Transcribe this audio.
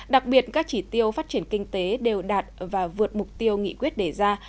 đặc biệt các chỉ tiêu phát triển kinh tế đều đạt và vượt mục tiêu nghị quyết đề ra